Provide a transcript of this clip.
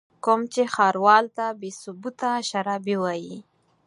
کوم چې ښاروال ته بې ثبوته شرابي وايي.